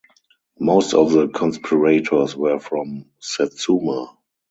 Most of the conspirators were from Satsuma.